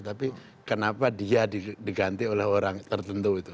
tapi kenapa dia diganti oleh orang tertentu itu